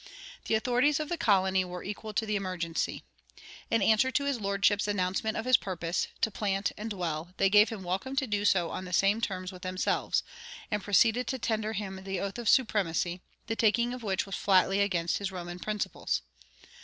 The authorities of the colony were equal to the emergency. In answer to his lordship's announcement of his purpose "to plant and dwell," they gave him welcome to do so on the same terms with themselves, and proceeded to tender him the oath of supremacy, the taking of which was flatly against his Roman principles.